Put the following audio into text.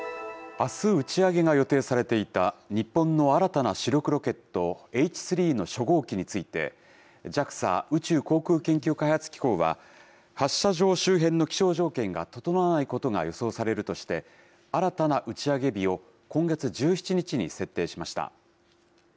あす打ち上げが予定されていた、日本の新たな主力ロケット、Ｈ３の初号機について、ＪＡＸＡ・宇宙航空研究開発機構は、発射場周辺の気象条件が整わないことが予想されるとして、新たな打ち上げ日を今月１７日に設定しました。